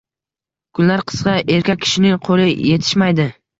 Kunlar qisqa, erkak kishining qo`li etishmaydi